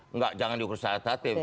enggak jangan diukur secara kuantitatif